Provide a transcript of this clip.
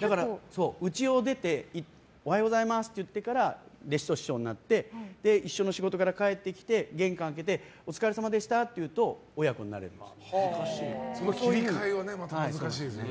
だから家を出ておはようございますって言ってから弟子と師匠になって一緒の仕事から帰って玄関開けてお疲れさまでしたって言うとその切り替えが難しいですね。